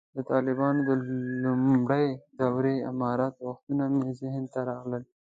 د طالبانو د لومړۍ دورې امارت وختونه مې ذهن ته راغلل.